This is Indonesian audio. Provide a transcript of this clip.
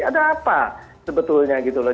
ada apa sebetulnya gitu loh